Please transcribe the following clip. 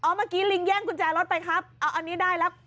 เมื่อกี้ลิงแย่งกุญแจรถไปครับเอาอันนี้ได้แล้ว